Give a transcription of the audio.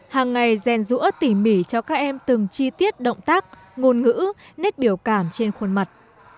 hàng ngày rèn rũa tỉ mỉ cho các em từng chi tiết động tác ngôn ngữ nét biểu cảm trên khuôn mặt